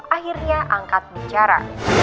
akhirnya angkat bicara